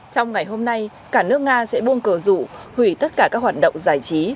trong ngày hôm nay cả nước nga sẽ buông cờ dụ hủy tất cả các hoạt động giải trí